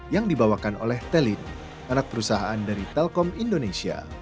yang dibawakan oleh telin anak perusahaan dari telkom indonesia